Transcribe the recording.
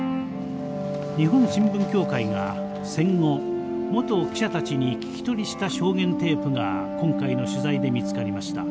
日本新聞協会が戦後元記者たちに聞き取りした証言テープが今回の取材で見つかりました。